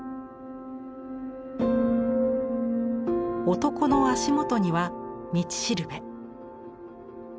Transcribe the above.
男の足元には道しるべ。